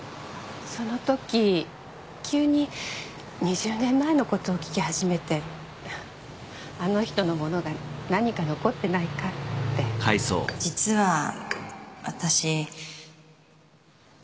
その時急に２０年前のことを聞き始めてあの人の物が何か残ってないかって実は私父の行方を捜しています